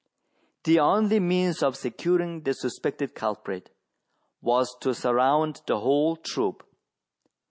The only means of securing the suspected culprit was to surround the whole troop.